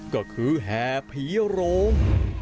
ก็คือแห่ผีโรง